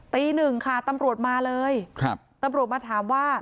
ตีหนึ่งค่ะตำรวจมาเลยครับตำรวจมาถามว่า